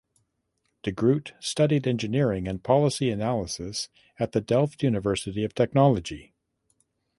De Groot studied engineering and policy analysis at the Delft University of Technology.